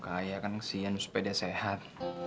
kayaknya kan kesian supaya dia sehat